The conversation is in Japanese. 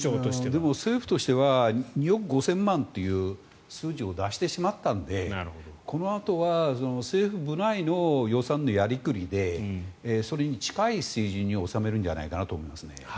政府としては２億５０００万という数字を出してしまったのでこのあとは政府部内の予算のやりくりでそれに近い水準に収めるんじゃないかなと思いますね。